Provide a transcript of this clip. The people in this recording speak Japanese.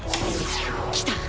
来た！